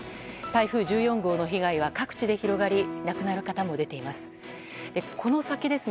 台風１４号の被害は各地で広がり亡くなる方も出ています。